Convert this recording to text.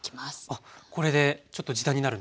あこれでちょっと時短になるんですか？